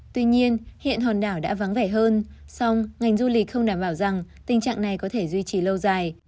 tuy nhiên hiện hòn đảo đã vắng vẻ hơn song ngành du lịch không đảm bảo rằng tình trạng này có thể duy trì lâu dài